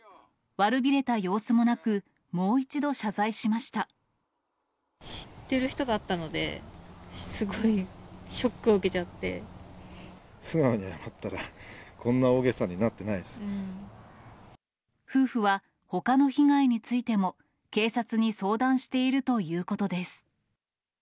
悪びれた様子もなく、もう一知ってる人だったので、素直に謝ったら、こんな大げ夫婦はほかの被害についても、警察に相談しているということです。